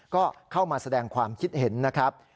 ก็เข้ามาแสดงความคิดเห็นนะครับ